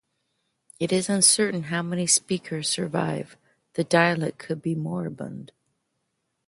It is uncertain how many speakers survive; the dialect could be moribund.